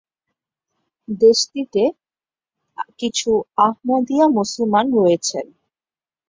দেশটিতে কিছু আহমদীয়া মুসলমান রয়েছেন।